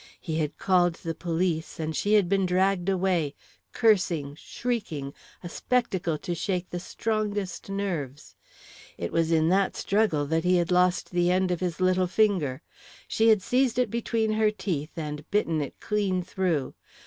He had called the police, and she had been dragged away, cursing, shrieking, a spectacle to shake the strongest nerves. It was in that struggle that he had lost the end of his little finger. She had seized it between her teeth and bitten it clean through.